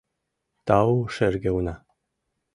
— Тау, шерге уна!